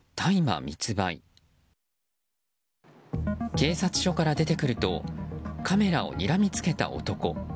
警察署から出てくるとカメラをにらみつけた男。